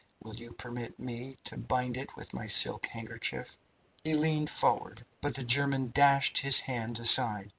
Will you permit me to bind it with my silk handkerchief?" He leaned forward, but the German dashed his hand aside.